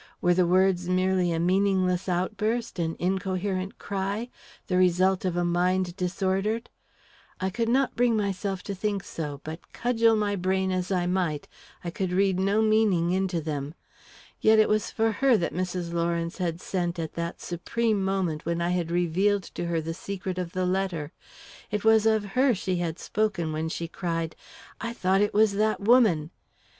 Were the words merely a meaningless outburst, an incoherent cry, the result of a mind disordered? I could not bring myself to think so, but cudgel my brain as I might, I could read no meaning into them. Yet it was for her that Mrs. Lawrence had sent at that supreme moment when I revealed to her the secret of the letter; it was of her she had spoken when she cried, "I thought it was that woman!"